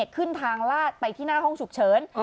ขึ้นทางลาดไปที่หน้าห้องฉุกเฉิน